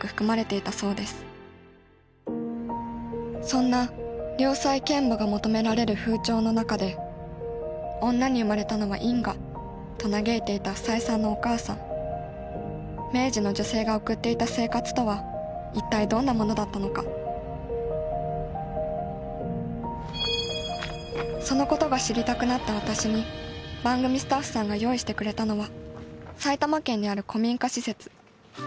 そんな「良妻賢母」が求められる風潮の中で「女に生まれたのは因果」と嘆いていた房枝さんのお母さん明治の女性が送っていた生活とは一体どんなものだったのかそのことが知りたくなった私に番組スタッフさんが用意してくれたのは埼玉県にある古民家施設。